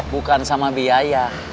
bukan sama biaya